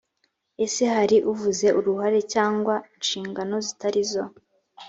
ese hari uvuze uruhare cyangwa inshingano zitari zo?